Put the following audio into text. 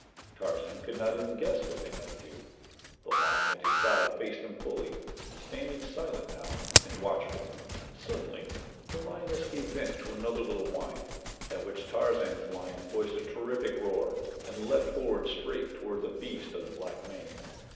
Tarzan could not even guess what they might do. The lion at his side faced them fully, standing silent now and watchful. Suddenly the lioness gave vent to another little whine, at which Tarzan's lion voiced a terrific roar and leaped forward straight toward the beast of the black mane.